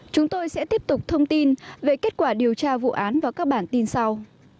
chúng tôi sẽ tiếp tục thông tin về kết quả điều tra vụ án vào các bản tin sau